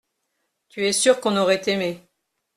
Tu es sûr qu’on aurait aimé.